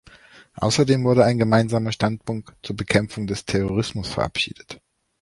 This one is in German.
Außerdem wurde ein gemeinsamer Standpunkt zur Bekämpfung des Terrorismus verabschiedet.